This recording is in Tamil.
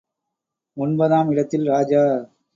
ஒன்பதாம் இடத்தில் ராஜா.